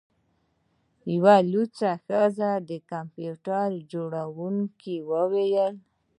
یوه لوڅه ښځه د کمپیوټر جوړونکي وویل